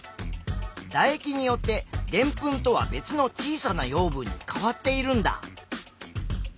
だ液によってでんぷんとは別の小さな養分に変わっているんだ。